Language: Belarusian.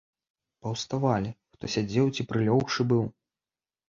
Паўставалі, хто сядзеў ці прылёгшы быў.